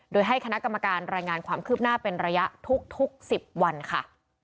โดยให้คณะกรรมการรายงานความคืบหน้าเป็นระยะทุก๑๐วันค่ะ